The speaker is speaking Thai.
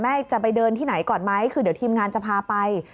จะไปเดินที่ไหนก่อนไหมคือเดี๋ยวทีมงานจะพาไป